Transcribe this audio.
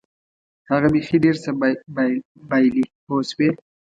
هغه بیخي ډېر څه بایلي پوه شوې!.